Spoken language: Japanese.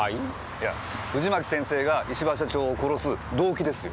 いや藤巻先生が石場社長を殺す動機ですよ。